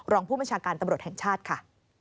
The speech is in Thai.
รองผู้บัญชาการตำรวจแห่งชาติค่ะ